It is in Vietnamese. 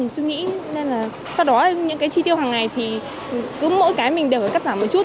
mình suy nghĩ nên là sau đó những cái chi tiêu hàng ngày thì cứ mỗi cái mình đều phải cắt giảm một chút